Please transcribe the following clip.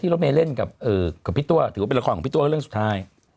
รถเมย์เล่นกับพี่ตัวถือว่าเป็นละครของพี่ตัวเรื่องสุดท้าย